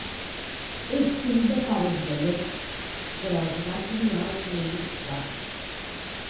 És fill de pares gallecs, però es va criar al País Basc.